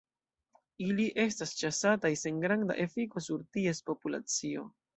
Ili estas ĉasataj sen granda efiko sur ties populacio.